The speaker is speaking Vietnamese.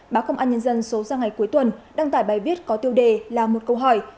báo công an nhân dân số ra ngày cuối tuần đăng tải bài viết có tiêu đề là một câu hỏi